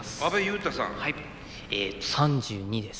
３２です。